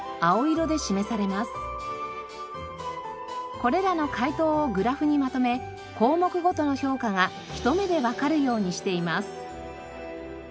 これらの回答をグラフにまとめ項目ごとの評価がひと目でわかるようにしています。